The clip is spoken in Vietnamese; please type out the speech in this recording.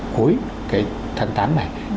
cuối cái tháng tám này